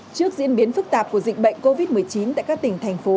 trước diễn biến phức tạp của dịch bệnh covid một mươi chín tại các tỉnh thành phố